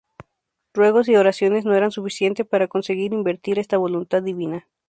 Ruegos y oraciones no eran suficiente para conseguir invertir esta voluntad divina.